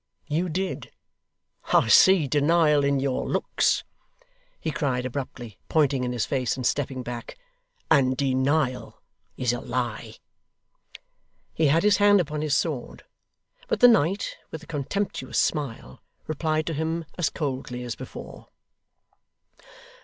You did. I see denial in your looks,' he cried, abruptly pointing in his face, and stepping back, 'and denial is a lie!' He had his hand upon his sword; but the knight, with a contemptuous smile, replied to him as coldly as before.